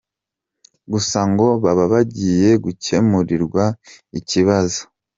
Gusa ngo baba bagiye gukemurirwa ikibazo.